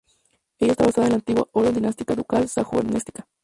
Ella está basada en la antigua "Orden dinástica ducal Sajo-Ernestina".